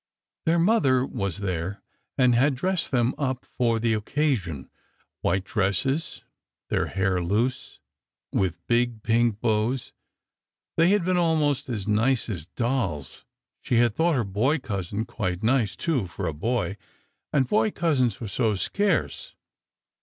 Their mother was there, and had dressed them up for the occasion—white dresses, their hair loose, with big pink bows; they had been almost as nice as dolls. She had thought her boy cousin quite nice, too, for a boy—and boy cousins were so scarce.